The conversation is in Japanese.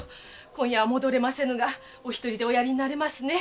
今夜は戻れませぬがお一人でおやりになれますね。